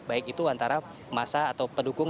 baik itu antara masa atau pendukung